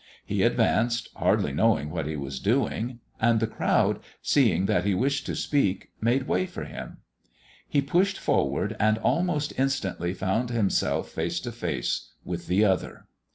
He advanced, hardly knowing what he was doing, and the crowd, seeing that he wished to speak, made way for him. He pushed forward and almost instantly found himself face to face with the Other.